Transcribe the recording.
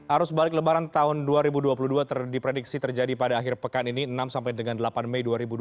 arus balik lebaran tahun dua ribu dua puluh dua terdiprediksi terjadi pada akhir pekan ini enam sampai dengan delapan mei dua ribu dua puluh